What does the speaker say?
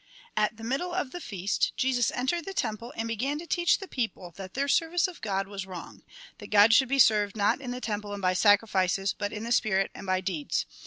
At the middle of the feast, Jesus entered the temple, and began to teach the people that their service of God was wrong; that God should be served not in the temple and by sacrifices, but in the spirit, and by deeds.